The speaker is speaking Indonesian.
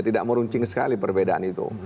tidak meruncing sekali perbedaan itu